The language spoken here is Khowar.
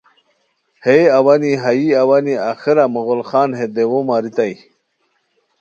ہئے اوانی ہایی اوانی آخرہ مغل خان ہے دیوؤ ماریتائے